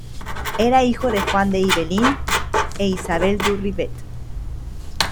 Era hijo de Juan de Ibelín e Isabel du Rivet.